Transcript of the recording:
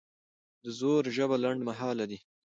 د زور ژبه لنډمهاله ده